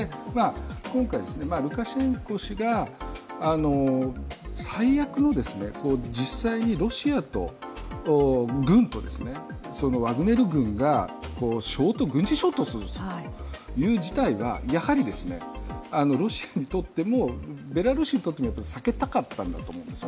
今回、ルカシェンコ氏が最悪、実際のロシア軍とワグネル軍が軍事衝突するという事態は、ロシアにとってもベラルーシにとっても避けたかったと思うんです。